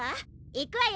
いくわよ！